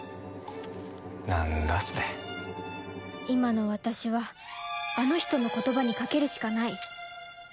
今の私はあの人の言葉に賭けるしかない